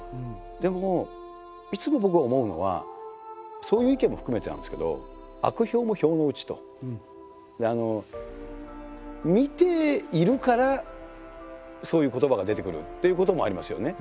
でもいつも僕が思うのはそういう意見も含めてなんですけど見ているからそういう言葉が出てくるっていうこともありますよね。